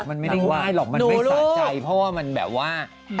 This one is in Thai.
มันไม่ได้ไหว้หรอกมันไม่สะใจเพราะว่ามันแบบว่า